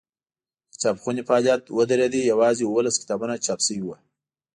د چاپخونې فعالیت ودرېد یوازې اوولس کتابونه چاپ شوي وو.